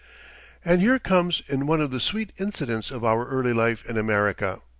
] And here comes in one of the sweet incidents of our early life in America.